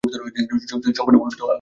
চুক্তিটি সম্পূর্ণভাবে আলাদা ধরনের।